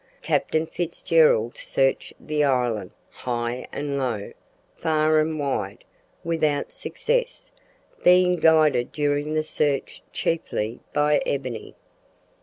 Captain Fitzgerald searched the island high and low, far and wide, without success, being guided during the search chiefly by Ebony.